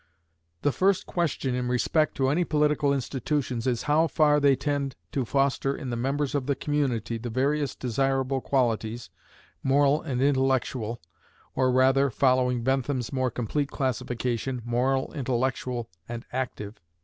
The first question in respect to any political institutions is how far they tend to foster in the members of the community the various desirable qualities, moral and intellectual, or rather (following Bentham's more complete classification) moral, intellectual, and active.